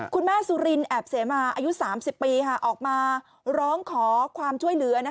สุรินแอบเสมาอายุ๓๐ปีออกมาร้องขอความช่วยเหลือ